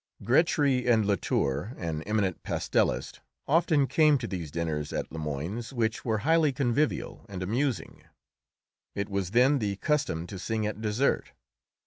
Grétry and Latour, an eminent pastellist, often came to these dinners at Le Moine's, which were highly convivial and amusing. It was then the custom to sing at dessert.